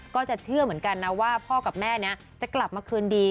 ก็จะเชื่อเหมือนกันนะว่าพ่อกับแม่นี้จะกลับมาคืนดี